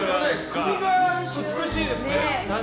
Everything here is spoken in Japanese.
首が美しいですね。